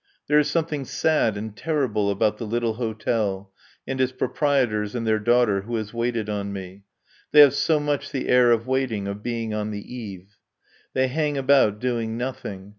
There is something sad and terrible about the little hotel, and its proprietors and their daughter, who has waited on me. They have so much the air of waiting, of being on the eve. They hang about doing nothing.